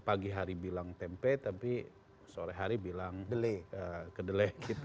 pada hari dia bilang tempe tapi sore hari dia bilang kedele